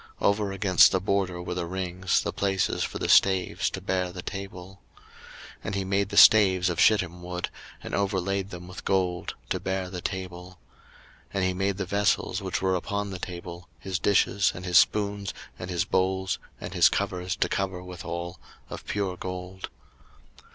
02:037:014 Over against the border were the rings, the places for the staves to bear the table. 02:037:015 And he made the staves of shittim wood, and overlaid them with gold, to bear the table. 02:037:016 And he made the vessels which were upon the table, his dishes, and his spoons, and his bowls, and his covers to cover withal, of pure gold.